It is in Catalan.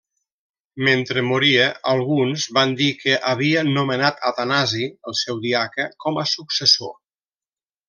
Mentre moria, alguns van dir que havia nomenat Atanasi, el seu diaca, com a successor.